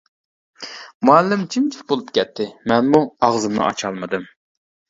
مۇئەللىم جىمجىت بولۇپ كەتتى، مەنمۇ ئاغزىمنى ئاچالمىدىم.